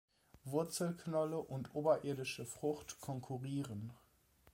Wurzelknolle und oberirdische Frucht konkurrieren.